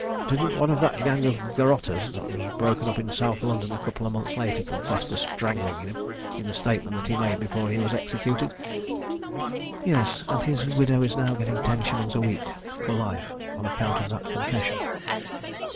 Didn't one of that gang of garotters that was broken up in South London a couple of months later confess to strangling him in the statement that he made before he was executed?" "Yes, and his widow is now getting ten shillings a week for life on account of that confession.